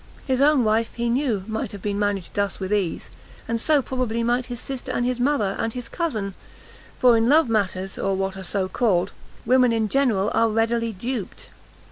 His own wife, he knew, might have been managed thus with ease, and so, probably, might his sister, and his mother, and his cousin, for in love matters, or what are so called, women in general are, readily duped.